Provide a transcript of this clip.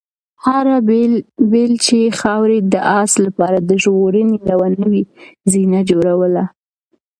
هرې بیلچې خاورې د آس لپاره د ژغورنې یوه نوې زینه جوړوله.